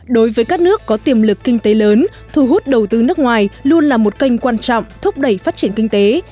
đối với các nước có tiềm lực kinh tế lớn thu hút đầu tư nước ngoài luôn là một kênh quan trọng thúc đẩy phát triển kinh tế